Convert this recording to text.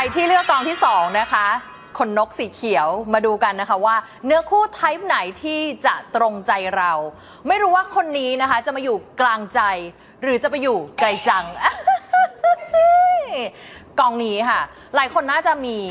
ตอนที่สองนะคะคนนกสีเขียวมาดูกันนะคะว่าเนื้อคู่ไทป์ไหนที่จะตรงใจเราไม่รู้ว่าคนนี้นะคะจะมาอยู่กลางใจหรือจะไปอยู่ไกลจัง